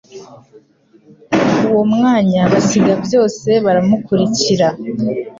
Uwo mwanya basiga byose baramukurikikira.